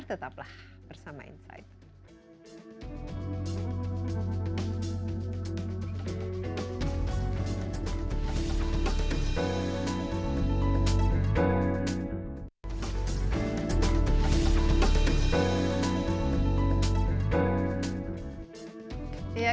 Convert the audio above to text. tetaplah bersama insight